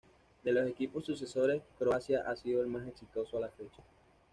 De los equipos sucesores, Croacia ha sido el más exitoso a la fecha.